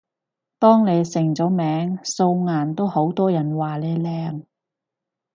當你成咗名，素顏都好多人話你靚